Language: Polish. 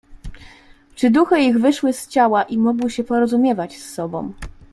"Czy duchy ich wyszły z ciała i mogły się porozumiewać z sobą."